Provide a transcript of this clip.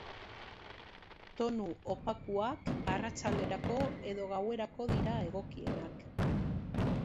Tonu opakuak arratsalderako edo gauerako dira egokienak.